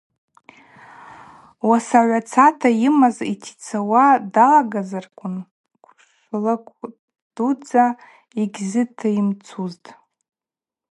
Уасагӏвацата йымаз йтицауа далагазарквын къвышлыкъвдудза йгьизытымцузтӏ.